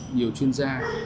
nhiều chuyên gia